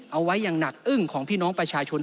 เอาไว้อย่างหนักอึ้งของพี่น้องประชาชน